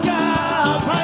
dan kapal mencari